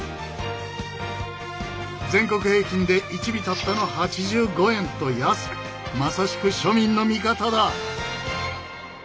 全国平均で１尾たったの８５円と安くまさしく庶民の味方だ。